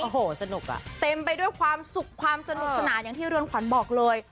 โอ้โหสนุกอ่ะเต็มไปด้วยความสุขความสนุกสนานอย่างที่เรือนขวัญบอกเลย